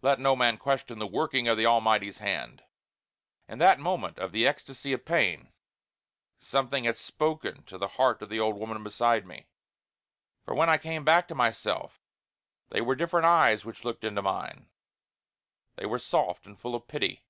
Let no man question the working of the Almighty's hand. In that moment of the ecstasy of pain, something had spoken to the heart of the old woman beside me; for when I came back to myself they were different eyes which looked into mine. They were soft and full of pity.